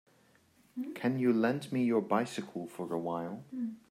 Can you lend me your bicycle for a while.